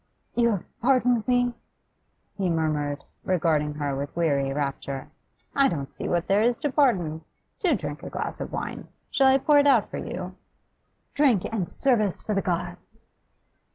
'You have pardoned me?' he murmured, regarding her with weary rapture. 'I don't see what there is to pardon. Do drink a glass of wine! Shall I pour it out for you?' 'Drink and service for the gods!